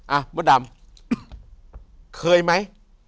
อ่ะมดดำเคยมั้ย